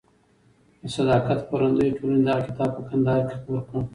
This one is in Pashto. د صداقت خپرندویه ټولنې دغه کتاب په کندهار کې خپور کړ.